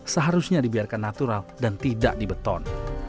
seharusnya dibiarkan natural dan tidak dibeton